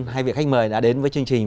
hai vị khách mời đã đến với chương trình